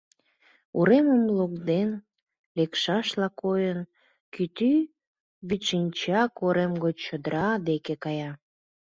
Уремым лоҥден лекшашла койын, кӱтӱ Вӱдшинча корем гоч чодыра деке кая.